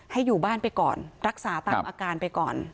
ให้อยู่บ้านไปก่อนรักษาตามอาการไปก่อน